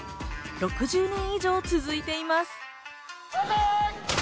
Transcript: ６０年以上続いています。